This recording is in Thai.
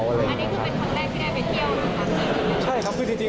ความทิ้งทำให้ไปเที่ยว